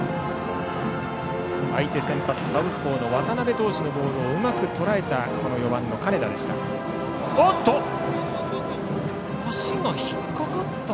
相手の先発サウスポーの渡部投手のボールをうまくとらえた４番、金田でした。